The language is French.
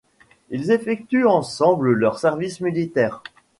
Ils effectuent ensemble leur service militaire.